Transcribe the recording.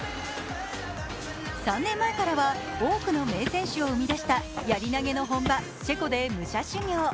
３年前から多くの名選手を生み出したやり投げの本場チェコで武者修行。